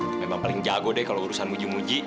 memang paling jago deh kalau urusan muji muji